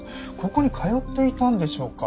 ここに通っていたんでしょうか？